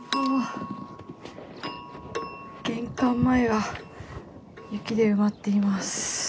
玄関前は雪で埋まっています。